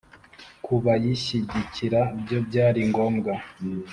kubashyigikira byo byari ngombwa